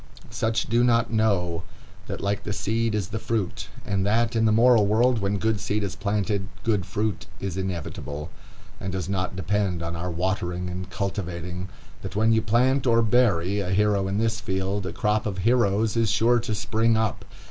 Such do not know that like the seed is the fruit, and that, in the moral world, when good seed is planted, good fruit is inevitable, and does not depend on our watering and cultivating; that when you plant, or bury, a hero in his field, a crop of heroes is sure to spring up.